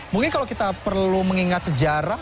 mungkin kalau kita perlu mengingat sejarah